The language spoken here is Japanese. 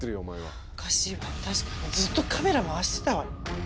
おかしいわ確かにずっとカメラ回してたわよ。